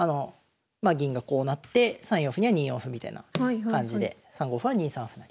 銀がこうなって３四歩には２四歩みたいな感じで３五歩は２三歩成。